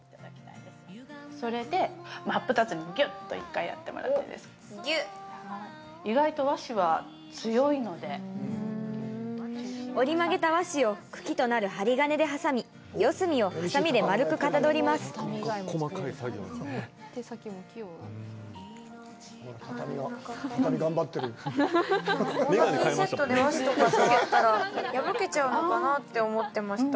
それで真っ二つにギュッと１回やってもらってギュッ折り曲げた和紙を茎となる針金で挟み四隅をはさみで丸くかたどります真ん中からこんなピンセットで和紙とか触ったら破けちゃうのかなって思ってました